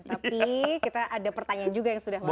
tapi kita ada pertanyaan juga yang sudah masuk